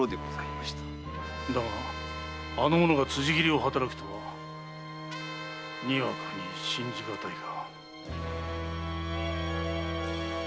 だがあの者が辻斬りを働くとはにわかに信じがたいが。